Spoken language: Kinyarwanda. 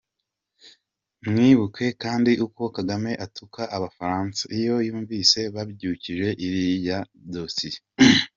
Mwibuke kandi uko Kagame atuka abafaransa, iyo yumvise babyukije iriya dossier.